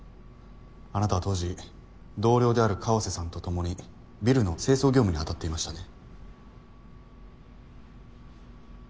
あなたは当時同僚である川瀬さんと共にビルの清掃業務にあたっていましたね。